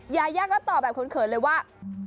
ยายาก็ตอบแบบเขินเลยว่า